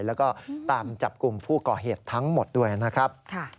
แล้วก็ตามจับกลุ่มผู้ก่อเหตุทั้งหมดด้วยนะครับ